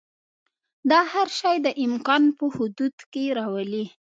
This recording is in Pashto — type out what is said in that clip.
دا هر شی د امکان په حدودو کې راولي.